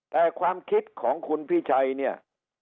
แต่ความคิดของคุณพิชัยเนี่ย